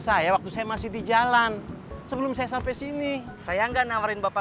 saya waktu saya masih di jalan sebelum saya sampai sini saya enggak nawarin bapak